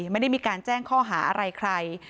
ไม่ได้มีการแจ้งข้อหาอะไรใคร